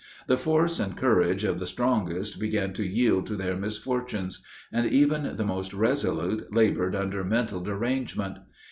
The force and courage of the strongest began to yield to their misfortunes; and even the most resolute labored under mental derangement.